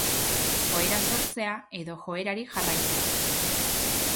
Joera sortzea edo joerari jarraitzea.